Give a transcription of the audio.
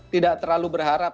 tidak terlalu berharap